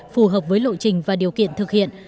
phù hợp với lộ trình và điều kiện thực hiện